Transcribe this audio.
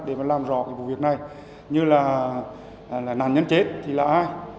rất nhiều câu hỏi để đặt ra để làm rõ vụ việc này như là nạn nhân chết thì là ai